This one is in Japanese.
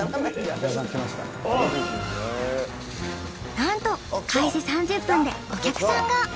なんと開始３０分でお客さんが。